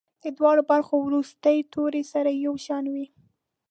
د دواړو برخو وروستي توري سره یو شان وي.